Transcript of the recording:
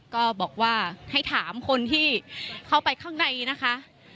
ก็บอกว่าให้ถามคนที่เข้าไปข้างในนะคะ